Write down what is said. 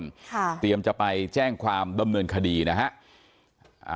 ค่ะเตรียมจะไปแจ้งความดำเนินคดีนะฮะอ่า